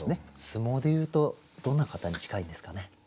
相撲でいうとどんな方に近いですかね？